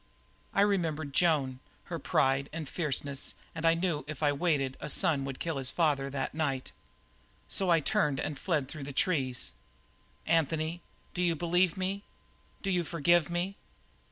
"I remembered Joan, her pride and her fierceness, and I knew that if I waited a son would kill his father that night. So I turned and fled through the trees. Anthony, do you believe me; do you forgive me?"